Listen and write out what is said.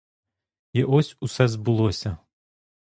І ось усе збулося.